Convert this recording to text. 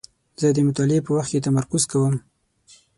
زه د مطالعې په وخت کې تمرکز کوم.